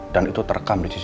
dan itu terekam di cctv